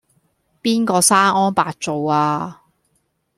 邊個生安白造呀?